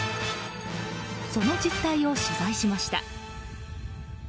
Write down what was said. その実態を取材しました。